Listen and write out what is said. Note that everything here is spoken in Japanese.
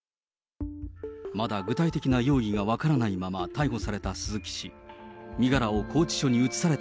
まだ具体的な容疑が分からないまま逮捕された鈴木氏。